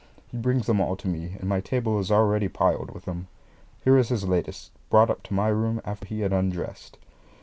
He brings them all to me, and my table is already piled with them. Here is his latest, brought up to my room after he had undressed.